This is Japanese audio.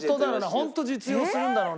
ホント実用するんだろうな？